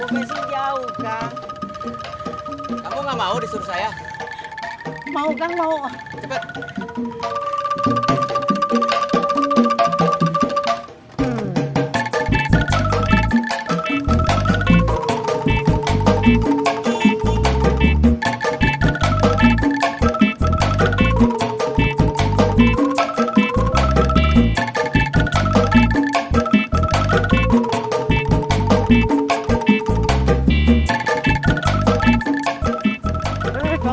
bapak mau bensin jauh kak